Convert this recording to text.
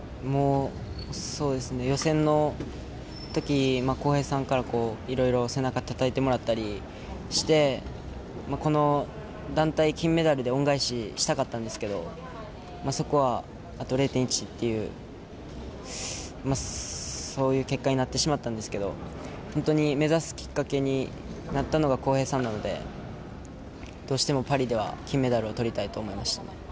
予選の時、航平さんからいろいろ背中をたたいてもらったりしてこの団体金メダルで恩返ししたかったんですけどあと０．１というそういう結果になってしまったんですけど本当に目指すきっかけになったのが航平さんなのでどうしてもパリでは金メダルをとりたいと思いました。